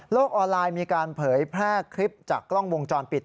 ออนไลน์มีการเผยแพร่คลิปจากกล้องวงจรปิด